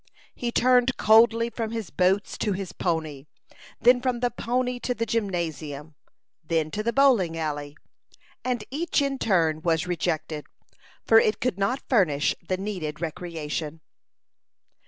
He turned coldly from his boats to his pony; then from the pony to the gymnasium; then to the bowling alley; and each in turn was rejected, for it could not furnish the needed recreation.